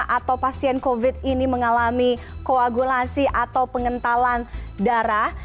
atau pasien covid ini mengalami koagulasi atau pengentalan darah